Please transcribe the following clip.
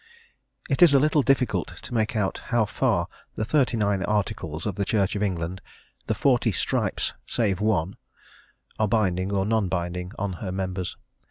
It is a little difficult to make out how far the Thirty nine Articles of the Church of England "the forty stripes save one" are binding or non binding on her members.